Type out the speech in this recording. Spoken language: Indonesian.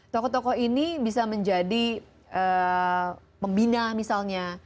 tokoh tokoh ini bisa menjadi pembina misalnya